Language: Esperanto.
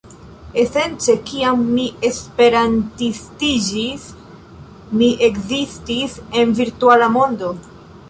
Esence kiam mi esperantistiĝis mi ekzistis en virtuala mondo